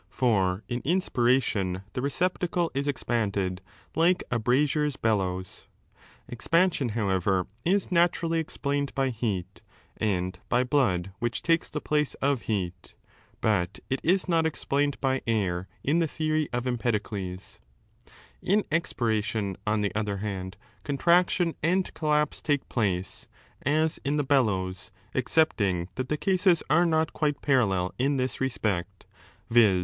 For in inspiration the receptacle is 7 expanded like a brazier's bellows. Expansion, however, is naturally explained by heat and by blood which takes the place of heat ([but it is not explained by air in the theory of Empedocles]). In expiration, on the other hand, contraction and collapse take place, as in the bellows, excepting that the cases are not quite parallel in this respect, viz.